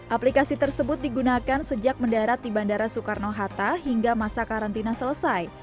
aplikasi tersebut digunakan sejak mendarat di bandara soekarno hatta hingga masa karantina selesai